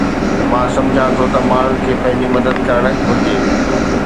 مان سمجهان ٿو ته ماڻهن کي پنهنجي مدد ڪرڻ گهرجي